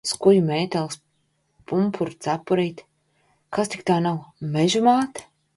Skuju mētelis, pumpuru cepurīte. Kad tik tā nav Meža māte?